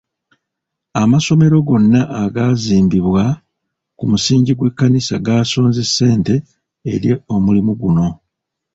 Amasomero gonna agaazimbibwa ku musingi gw'ekkanisa gaasonze ssente eri omulimu guno.